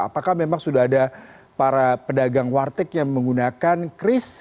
apakah memang sudah ada para pedagang warteg yang menggunakan kris